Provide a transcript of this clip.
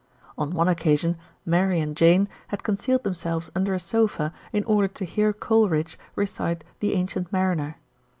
On one occasion Mary and Jane had concealed themselves under a sofa in order to hear Coleridge recite The Ancient Mariner.